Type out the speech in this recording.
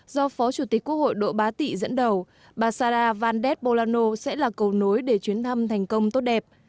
do phó chủ tịch quốc hội độ bá tị dẫn đầu bà sara vandez bolano sẽ là cầu nối để chuyến thăm thành công tốt đẹp